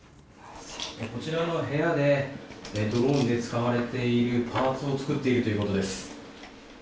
こちらの部屋でドローンで使われているパーツを作っているということです。